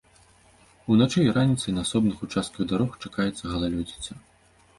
Уначы і раніцай на асобных участках дарог чакаецца галалёдзіца.